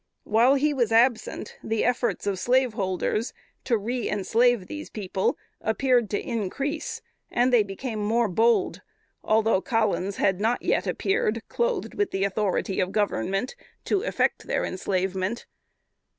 While he was absent, the efforts of slaveholders to reënslave these people appeared to increase, and they became more bold, although Collins had not yet appeared, clothed with the authority of Government, to effect their enslavement.